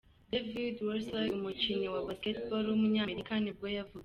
David Wesley, umukinnyi wa Basketball w’umunyamerika nibwo yavutse.